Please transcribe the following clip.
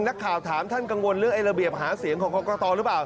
นักข่าวถามท่านกังวลเรื่องระเบียบหาเสียงของกรกตหรือเปล่า